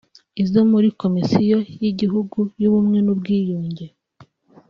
izo muri Komisiyo y’Igihugu y’Ubumwe n’Ubwiyunge